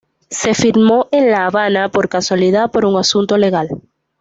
Se filmó en La Habana por casualidad, por un asunto legal.